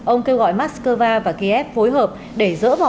ông kêu gọi moscow và kiev phối hợp để dỡ bỏ tình hình